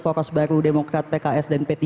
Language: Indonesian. foros baru demokrat pks dari pks